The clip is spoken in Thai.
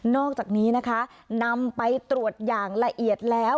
อกจากนี้นะคะนำไปตรวจอย่างละเอียดแล้ว